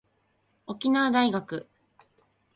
沖縄大学